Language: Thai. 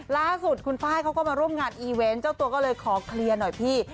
ล่าสุดคุณไฟล์เขาก็มาร่วมงานอีเวนต์เจ้าตัวก็เลยขอเคลียร์หน่อยพี่